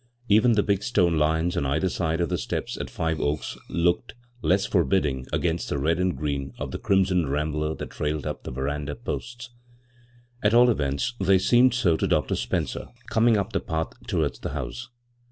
Even the big stone lions on either side of the steps at Five Oaks looked less forbidding against the red and green of the crimson rambler that trailed up the veranda posts ; at eiU events, they seemed so to Dr. Spencer coming up the path towards the house.